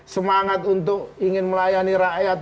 semangat untuk ingin melayani rakyat